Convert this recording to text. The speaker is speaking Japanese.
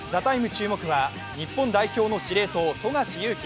注目は日本代表の司令塔・富樫勇樹。